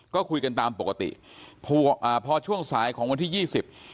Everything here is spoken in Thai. ก็คุยกันตามปกติพออ่าพอช่วงสายของวันที่ยี่สิบ